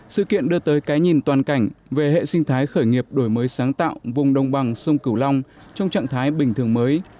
sự kiện đưa tới cái nhìn toàn cảnh về hệ sinh thái khởi nghiệp đổi mới sáng tạo vùng đồng bằng sông cửu long trong trạng thái bình thường mới